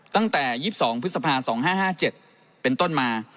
ตั้งแต่๒๒พฤษภา๒๕๕๗เป็นต้นมา